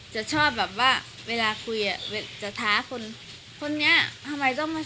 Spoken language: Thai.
แล้วทำไมไม่ท้าพี่ไปพูดต่อหน้ามากกว่า